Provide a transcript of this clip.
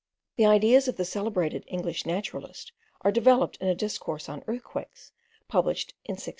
The ideas of the celebrated English naturalist are developed in a Discourse on Earthquakes published in 1686.